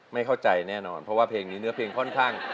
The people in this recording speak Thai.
ไม่เข้าใจแน่นอนเพราะว่าเพลงนี้เนื้อเพลงค่อนข้าง